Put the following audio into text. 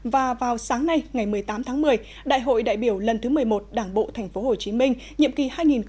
và vào sáng nay ngày một mươi tám tháng một mươi đại hội đại biểu lần thứ một mươi một đảng bộ tp hcm nhiệm kỳ hai nghìn hai mươi hai nghìn hai mươi năm